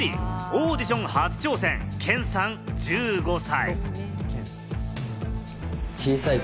オーディション初挑戦、ケンさん、１５歳。